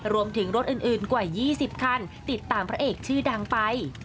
รวมถึงรถอื่นกว่า๒๐คันติดตามพระเอกชื่อดังไป